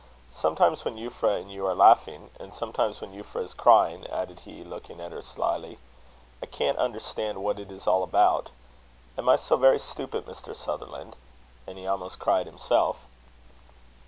Sometimes when Euphra and you are laughing, and sometimes when Euphra is crying," added he, looking at her slyly, "I can't understand what it is all about. Am I so very stupid, Mr. Sutherland?" And he almost cried himself.